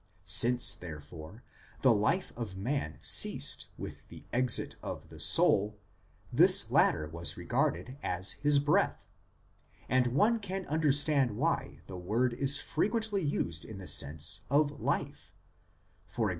Since, therefore, the life of man ceased with the exit of the soul, this latter was regarded as his breath ; and one can understand why the word is frequently used in the sense of " life," e.g.